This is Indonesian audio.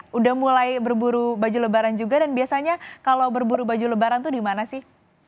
sudah mulai berburu baju lebaran juga dan biasanya kalau berburu baju lebaran itu dimana sih